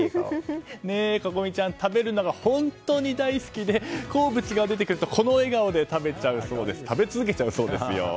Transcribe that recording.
心美ちゃん食べるのが本当に大好きで好物が出てくるとこの笑顔で食べ続けちゃうそうですよ。